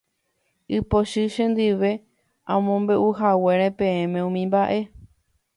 Ipochy chendive amombe'uhaguére peẽme umi mba'e.